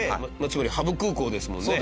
つまりハブ空港ですもんね。